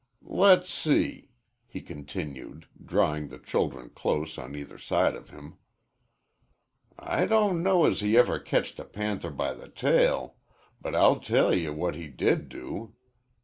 "Le's see," he continued, drawing the children close on either side of him. "I don' know as he ever ketched a panther by the tail, but I'll tell ye what he did do.